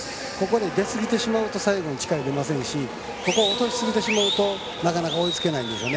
出すぎてしまうと最後力出ませんし落としすぎるとなかなか追いつけないんですよね。